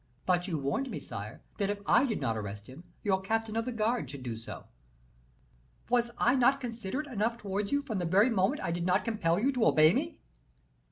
"But you warned me, sire, that if I did not arrest him, your captain of the guard should do so." "Was I not considerate enough towards you, from the very moment I did not compel you to obey me?"